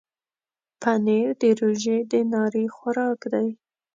پنېر د روژې د ناري خوراک دی.